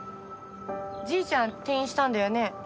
じいちゃん転院したんだよね？